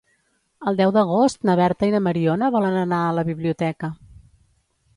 El deu d'agost na Berta i na Mariona volen anar a la biblioteca.